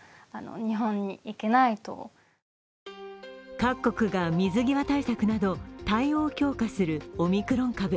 各国が水際対策など対応を強化するオミクロン株。